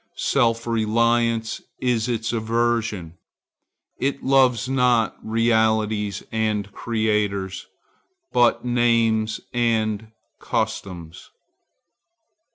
Self reliance is its aversion. It loves not realities and creators, but names and customs.